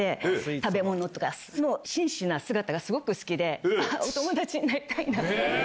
食べ物とか、真摯な姿がすごく好きで、あっ、お友達になりたいなって。